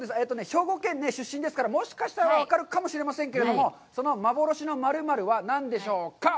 兵庫県出身ですから、もしかしたら分かるかもしれませんけれども、その幻の○○は何でしょうか。